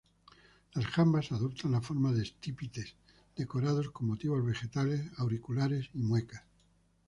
Las jambas adoptan la forma de estípites decorados con motivos vegetales, auriculares y muecas.